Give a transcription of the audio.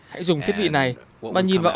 hãy dùng thiết bị này và nhìn vào